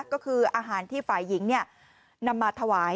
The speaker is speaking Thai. ก็คืออาหารที่ฝ่ายหญิงนำมาถวาย